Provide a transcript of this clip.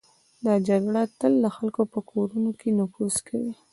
دا جګړه تل د خلکو په کورونو کې نفوذ کوي.